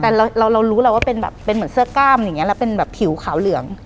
แต่เรารู้แล้วว่าเป็นแบบเป็นเหมือนเสื้อกล้ามอย่างนี้แล้วเป็นแบบผิวขาวเหลือง